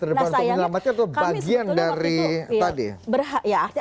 nah sayangnya kami sebetulnya waktu itu